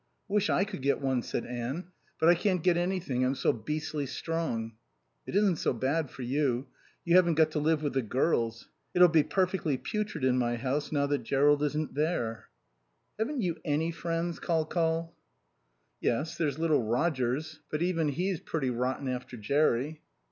"I wish I could get one," said Anne. "But I can't get anything. I'm so beastly strong." "It isn't so bad for you. You haven't got to live with the girls. It'll be perfectly putrid in my house now that Jerrold isn't there." "Haven't you any friends, Col Col?" "Yes. There's little Rogers. But even he's pretty rotten after Jerry."